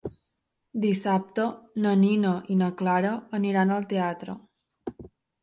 Dissabte na Nina i na Clara aniran al teatre.